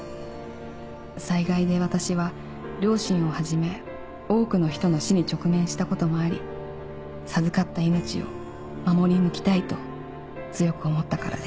「災害で私は両親をはじめ多くの人の死に直面したこともあり授かった命を守り抜きたいと強く思ったからです」